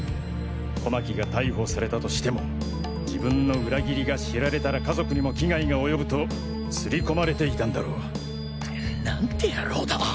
小牧が逮捕されたとしても自分の裏切りが知られたら家族にも危害が及ぶとすり込まれていたんだろう。なんて野郎だ。